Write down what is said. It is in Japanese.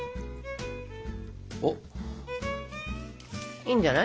いいんじゃない？